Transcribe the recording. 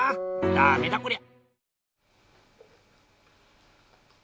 ダメだこりゃ！